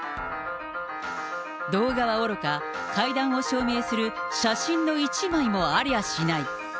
動画はおろか、会談を証明する写真の一枚もありゃしない。